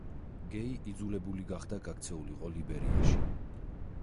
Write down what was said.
გეი იძულებული გახდა გაქცეულიყო ლიბერიაში.